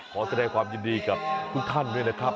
ขอแสดงความยินดีกับทุกท่านด้วยนะครับ